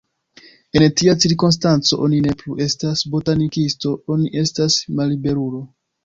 En tia cirkonstanco, oni ne plu estas botanikisto, oni estas malliberulo.